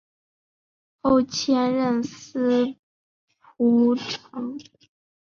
后迁任司仆丞。